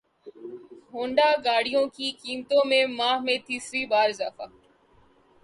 Honda گاڑیوں کی قیمتوں میں ماہ میں تیسری بار اضافہ